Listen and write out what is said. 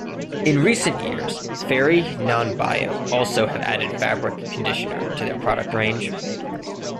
In recent years, Fairy Non-Bio also have added fabric conditioner to their product range.